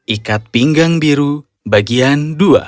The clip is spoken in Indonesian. ikat pinggang biru bagian dua